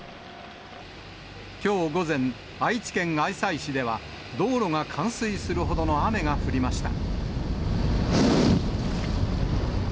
きょう午前、愛知県愛西市では、道路が冠水するほどの雨が降りました。